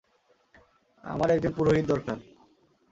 আমার একজন পুরোহিত দরকার।